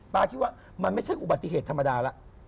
คิดว่ามันไม่ใช่อุบัติเหตุธรรมดาแล้ว